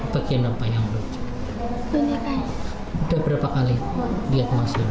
pengen nantarlah kuda